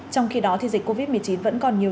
trong khi đó dịch covid một mươi chín vẫn còn nhiều